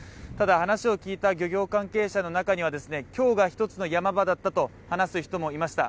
話を聞いた漁業関係者の中には今日が１つのヤマ場だったと話す人もいました。